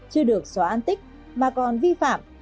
chưa được xóa an tích mà còn vi phạm